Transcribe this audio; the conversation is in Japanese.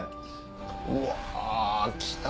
うわぁ来た。